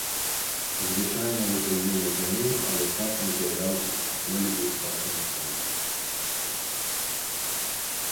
Звычайна выхадзіў на замену, але часам з'яўляўся на полі і ў стартавым складзе.